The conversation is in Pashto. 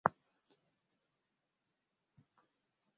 ازادي راډیو د اداري فساد په اړه د کارپوهانو خبرې خپرې کړي.